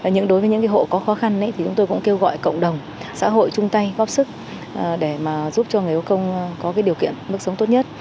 nhưng đối với những hộ có khó khăn thì chúng tôi cũng kêu gọi cộng đồng xã hội chung tay góp sức để mà giúp cho người có công có điều kiện mức sống tốt nhất